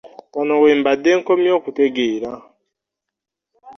Wano we mbadde nkomye okutegeera.